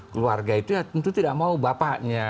keluarga itu ya tentu tidak mau bapaknya